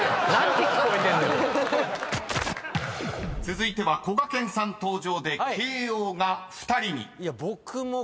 ［続いてはこがけんさん登場で慶應が２人に］